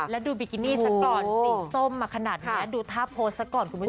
แล้วดูบิกินี่ซะก่อนสีส้มมาขนาดนี้ดูท่าโพสต์ซะก่อนคุณผู้ชม